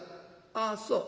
「ああそう。